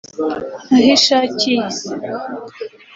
Ahishakiye